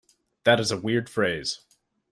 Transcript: That is a weird phrase.